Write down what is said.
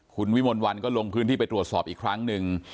คุณวิมลวันก็ลงพื้นที่ไปตรวจสอบอีกครั้งหนึ่ง